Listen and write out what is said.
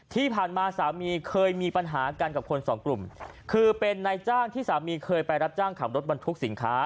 ที่ผ่านมาสามีเคยมีปัญหากันกับคนสองกลุ่มคือเป็นนายจ้างที่สามีเคยไปรับจ้างขับรถบรรทุกสินค้า